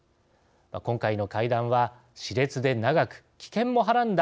今回の会談はしれつで長く危険もはらんだ